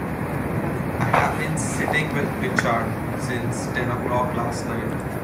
I have been sitting with Richard since ten o'clock last night.